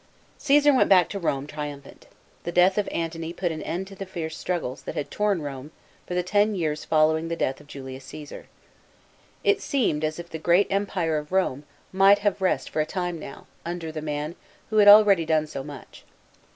Csesar went back to Rome, triumphant. The 8 198 KEIGN OF OESAR AUGUSTUS. [B.C. 27. death of Antony put an end to the fierce struggles, that had torn Rome, fo the ten years, following the death of Julius Csesar. It seemed, as if the great empire of Rome, might have rest for a time now, under the man, who had already done so much.